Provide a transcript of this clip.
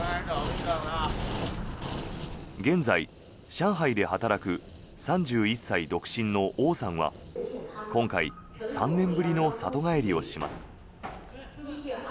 現在、上海で働く３１歳独身のオウさんは今回３年ぶりの里帰りをします。